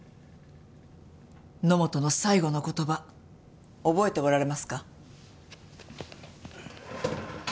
野本の最後の言葉覚えておられますか？